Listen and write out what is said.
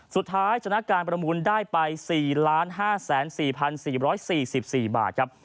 สุดท้ายชนะการประมูลได้ไป๔๕๐๔๔๔๔บาทครับ